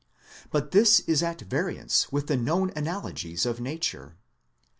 But this is at variance with the known analogies of Nature.